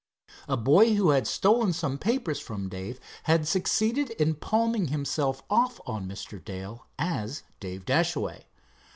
A boy who had stolen some papers from Dave had succeeded in palming himself off on Mr. Dale as Dave Dashaway.